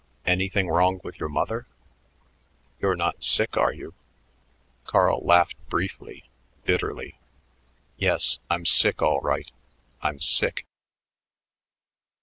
Anything wrong with your mother? You're not sick, are you?" Carl laughed, briefly, bitterly. "Yes, I'm sick all right. I'm sick."